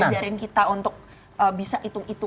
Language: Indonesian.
nono ngajarin kita untuk bisa hitung hitungan